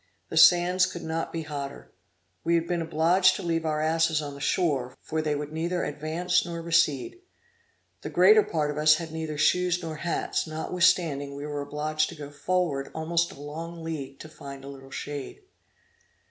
The sands could not be hotter. We had been obliged to leave our asses on the shore, for they would neither advance nor recede. The greater part of us had neither shoes nor hats; notwithstanding we were obliged to go forward almost a long league to find a little shade.